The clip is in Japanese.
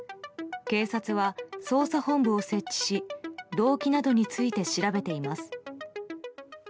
警察は、捜査本部を設置し動機などについて調べています。